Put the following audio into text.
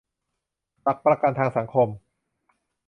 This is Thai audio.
หลักประกันทางสังคม